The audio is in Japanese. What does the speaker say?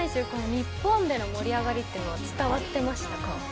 日本での盛り上がりというのは伝わってましたか？